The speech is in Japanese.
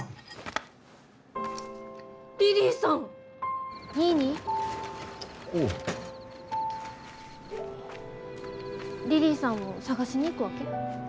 リリィさんを捜しに行くわけ？